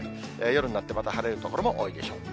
夜になって、また晴れる所も多いでしょう。